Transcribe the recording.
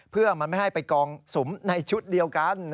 เพื่อมันไม่ให้ไปกองสุมในชุดเดียวกัน